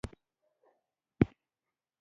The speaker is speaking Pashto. ملا یې ور کښېکاږه که کېږي؟